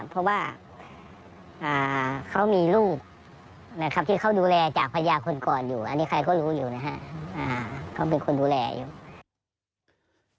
เพราะว่าเขามีลูกนะครับที่เขาดูแลจากพญาคนก่อนอยู่อันนี้ใครก็รู้อยู่นะฮะเขาเป็นคนดูแลอยู่